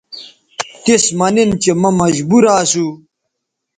تِس مہ نِن چہءمہ مجبورہ اسُو